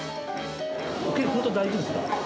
けがは本当、大丈夫ですか。